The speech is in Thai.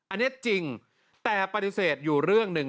อันนี้จริงแต่ปฏิเสธอยู่เรื่องหนึ่ง